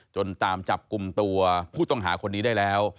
ตามจับกลุ่มตัวผู้ต้องหาคนนี้ได้แล้ว